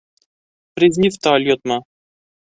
Призниф та алйотмо?!